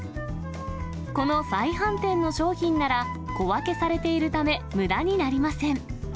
この再販店の商品なら、小分けされているため、むだになりません。